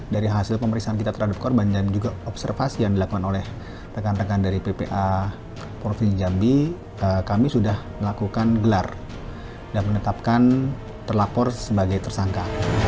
dari hasil pemeriksaan kita terhadap korban dan juga observasi yang dilakukan oleh rekan rekan dari ppa provinsi jambi kami sudah melakukan gelar dan menetapkan terlapor sebagai tersangka